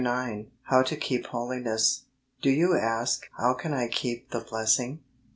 IX HOW TO KEEP HOLINESS Do you ask, 'How can I keep the blessing?' I.